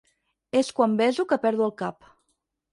És quan beso que perdo el cap.